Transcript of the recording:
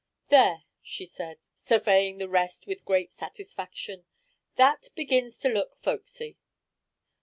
"There," she said, surveying the result with great satisfaction. "That begins to look folksy.